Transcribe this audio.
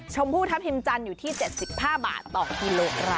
ชมพู่ทัพทิมจันทร์อยู่ที่๗๕บาทต่อกิโลกรัม